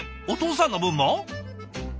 お父さんの分も？